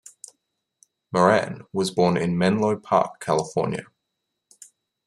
Maran was born in Menlo Park, California.